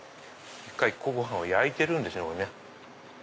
１回ご飯を焼いてるんですね。